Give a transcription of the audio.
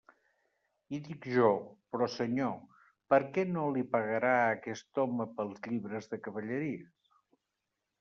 I dic jo, però Senyor, per què no li pegarà a aquest home pels llibres de cavalleries?